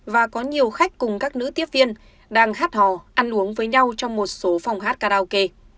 và có nhiều khách cùng các nữ tiếp viên đang hát hò ăn uống với nhau trong một số phòng hát karaoke